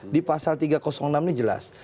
di pasal tiga ratus enam ini jelas